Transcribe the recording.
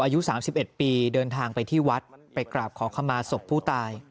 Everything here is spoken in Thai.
อายุ๓๑ปีเดินทางไปที่วัดไปกราบขอขมาศพผู้ตาย